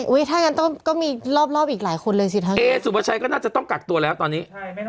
ว้ายถ้างั้นก็มีรอบอีกหลายคนเลยสิเอสุปชัยก็น่าจะต้องกักตัวแล้วตอนนี้